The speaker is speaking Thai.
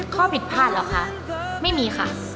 ข้อผิดพลาดเหรอคะไม่มีค่ะ